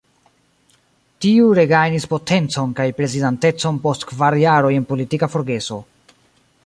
Tiu regajnis potencon kaj prezidantecon post kvar jaroj en politika forgeso.